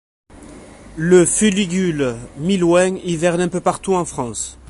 Le Fuligule milouin hiverne un peu partout en France.